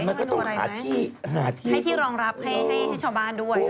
แต่มันก็ต้องหาที่ให้ที่รองรับให้ชาวบ้านด้วยอะไรแบบนี้อ๋อ